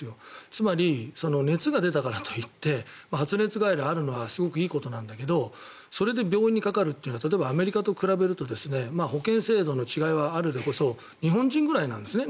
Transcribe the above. つまり熱が出たからといって発熱外来あるのはすごくいいことなんだけどそれで病院にかかるというのは例えばアメリカと比べると保険制度の違いはあっても日本くらいなんですね。